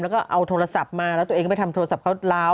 แล้วก็เอาโทรศัพท์มาแล้วตัวเองก็ไปทำโทรศัพท์เขาลาว